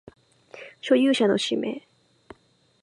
所有者の氏名